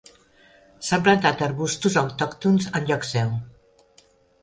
S'han plantat arbustos autòctons en lloc seu.